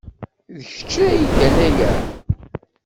D kečč ay igan aya!